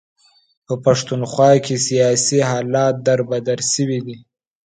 په پښتونخوا کې سیاسي حالات در بدر شوي دي.